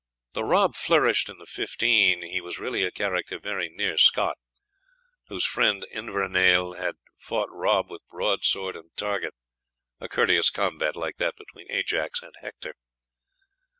Though Rob flourished in the '15, he was really a character very near Scott, whose friend Invernahyle had fought Rob with broadsword and target a courteous combat like that between Ajax and Hector.